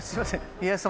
家康様